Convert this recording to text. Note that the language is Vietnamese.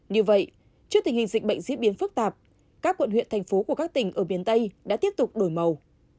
như vậy trước tình hình dịch bệnh diễn biến phức tạp các quận huyện thành phố của các tỉnh ở biển tây đã tiếp tục đổi màu